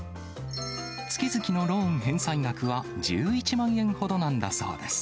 月々のローン返済額は１１万円ほどなんだそうです。